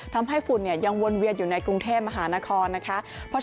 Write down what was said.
ทำให้ฝุ่นเนี่ยยังวนเวียดอยู่ในกรุงเทพฯมหานครนะคะเพราะ